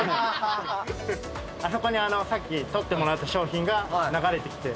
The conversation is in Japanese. あそこにさっき取ってもらった商品が流れてきて。